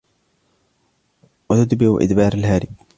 وَتُدْبِرُ إدْبَارَ الْهَارِبِ